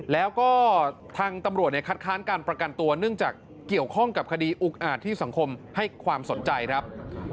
แล้วก็ทางตำรวจเนี่ยคัดค้านการประกันตัวเนื่องจากเกี่ยวข้องกับคดีอุกอาจที่สังคมให้ความสนใจครับ